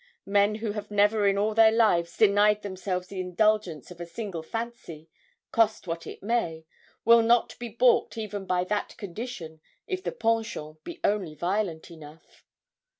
Men who have never in all their lives denied themselves the indulgence of a single fancy, cost what it may, will not be baulked even by that condition if the penchant be only violent enough.'